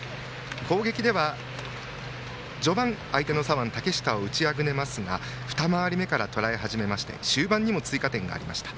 攻撃では、序盤相手の左腕の竹下を打ちあぐねますが二回り目からとらえ始めて終盤にも得点がありました。